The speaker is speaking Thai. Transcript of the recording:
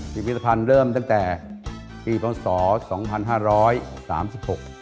พิพิธภัณฑ์เริ่มตั้งแต่ปีพศสองพันห้าร้อยสามสิบหก